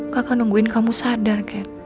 kakak nungguin kamu sadar kan